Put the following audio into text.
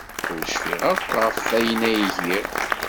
Ur cfiɣ akk ɣef wayen ay giɣ.